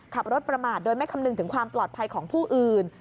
ขับรถประมาทโดยไม่คำนึงถึงความปลอดภัยของผู้อื่น